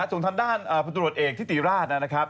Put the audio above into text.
ส่วนทางด้านพลตรวจเอกทิติราชนะครับ